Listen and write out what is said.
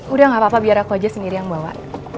udah gak apa apa biar aku aja sendiri yang bawa